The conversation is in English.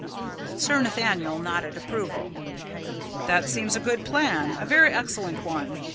Sir Nathaniel nodded approval. "That seems a good plan a very excellent one.